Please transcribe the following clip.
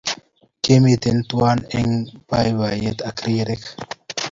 Kimitei tuwai eng boiboiyet ak rirek